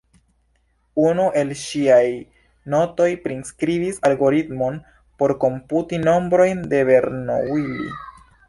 Unu el ŝiaj notoj priskribis algoritmon por komputi nombrojn de Bernoulli.